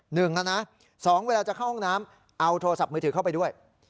หนึ่งนะสองเวลาจะเข้าห้องน้ำเอาโทรศัพท์มือถือเข้าไปด้วย